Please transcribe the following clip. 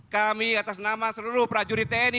kami atas nama seluruh prajurit tni